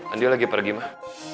andi lagi pergi mah